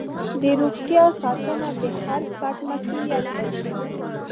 د روغتیا ساتنه د هر فرد مسؤلیت دی.